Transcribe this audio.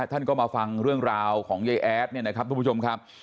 ท่านก็มาฟังเรื่องราวของยายแอดเนี่ยนะครับทุกผู้ชมครับ